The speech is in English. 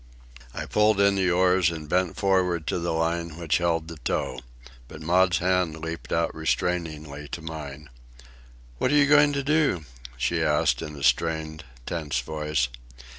I pulled in the oars and bent forward to the line which held the tow. But Maud's hand leaped out restrainingly to mine. "What are you going to do?" she asked in a strained, tense voice.